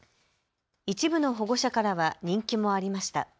一部の保護者からは人気もありました。